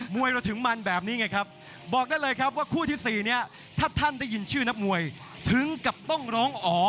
วยเราถึงมันแบบนี้ไงครับบอกได้เลยครับว่าคู่ที่๔เนี่ยถ้าท่านได้ยินชื่อนักมวยถึงกับต้องร้องอ๋อ